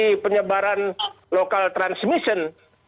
jadi penyebaran lokal transmission